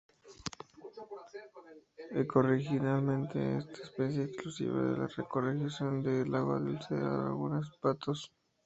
Ecorregionalmente, esta especie es exclusiva de la ecorregión de agua dulce laguna dos Patos.